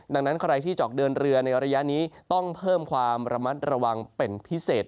ดังนั้นใครที่จะออกเดินเรือในระยะนี้ต้องเพิ่มความระมัดระวังเป็นพิเศษ